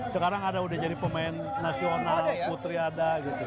sekarang ada udah jadi pemain nasional putriada